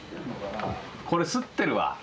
これ擦ってるわ。